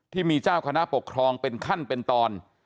ที่มีเจ้าคณะปกครองเป็นขั้นเป็นตอน